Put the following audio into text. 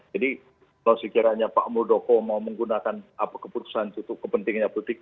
jadi kalau sekiranya pak murdoko mau menggunakan keputusan itu kepentingannya politik